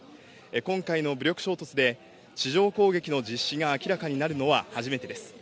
今回の武力衝突で、地上攻撃の実施が明らかになるのは初めてです。